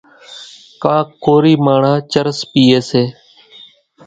ڪانڪ ڪورِي ماڻۿان چرس پيئيَ سي۔